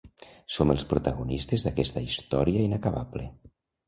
Som els protagonistes d'aquesta història inacabable.